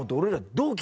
同期！